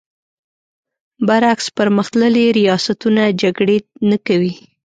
برعکس پر مختللي ریاستونه جګړې نه کوي.